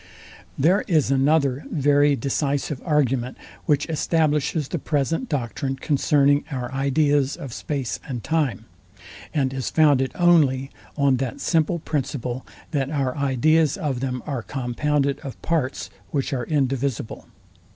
There is another very decisive argument, which establishes the present doctrine concerning our ideas of space and time, and is founded only on that simple principle, that our ideas of them are compounded of parts, which are indivisible.